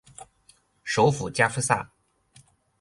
首府加夫萨。